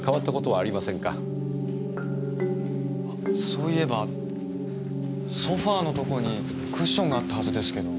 そういえばソファのとこにクッションがあったはずですけど。